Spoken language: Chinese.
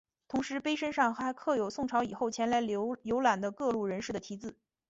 同时碑身上还刻有宋朝以后前来游览的各路人士的题字。